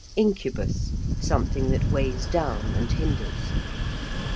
~Incubus~: something that weighs down and hinders.